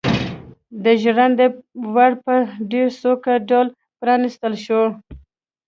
د ژرندې ور په ډېر سوکه ډول پرانيستل شو.